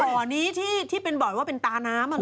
อ๋อบ่อนี้ที่เป็นบ่อยว่าเป็นตาน้ำอ่ะหรอ